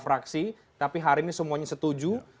fraksi tapi hari ini semuanya setuju